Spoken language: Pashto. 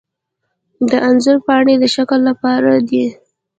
د انځر پاڼې د شکر لپاره دي.